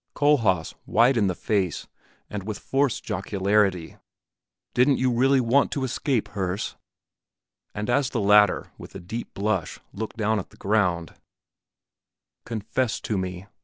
Kohlhaas, white in the face, said with forced jocularity, "Didn't you really want to escape, Herse?" And as the latter, with a deep blush, looked down at the ground "Confess to me!"